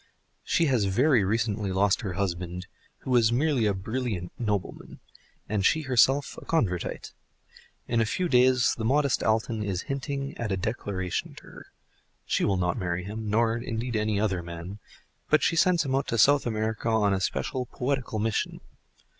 She has very recently lost her husband, who was merely a brilliant nobleman, and she herself a Convertite; in a few days the modest Alton is hinting at a declaration to her. She will not marry him, nor indeed any other man, but she sends him out to South America on a special poetical mission.